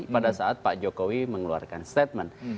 pada saat pak jokowi mengeluarkan statement